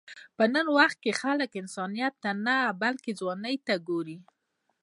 په نن وخت کې خلک انسانیت ته نه، بلکې ځوانۍ ته ګوري.